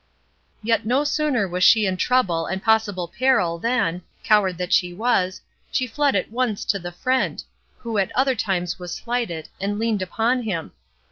Yet no sooner was she in trouble and possible peril than, coward that she was, she fled at once to the Friend, who at other times was slighted, and leaned upon Him.